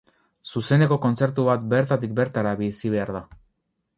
Zuzeneko kontzertu bat bertatik bertara bizi behar da.